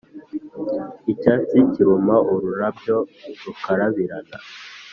icyatsi kiruma, ururabyo rukarabirana,